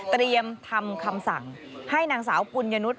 เตรียมทำคำสั่งให้นางสาวปุญญนุษย